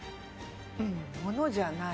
うん物じゃない。